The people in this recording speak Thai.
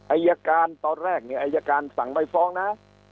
อายการตอนแรกเนี่ยอายการสั่งไม่ฟ้องนะ